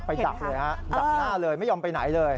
ดักเลยฮะดักหน้าเลยไม่ยอมไปไหนเลย